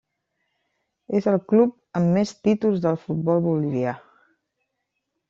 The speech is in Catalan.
És el club amb més títols del futbol bolivià.